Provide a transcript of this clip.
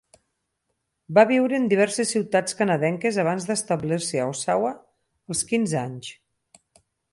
Va viure en diverses ciutats canadenques abans d'establir-se a Oshawa als quinze anys.